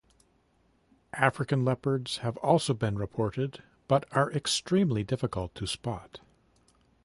African leopards have also been reported but are extremely difficult to spot.